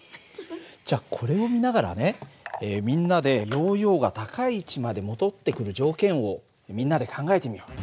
じゃこれを見ながらねみんなでヨーヨーが高い位置まで戻ってくる条件をみんなで考えてみよう。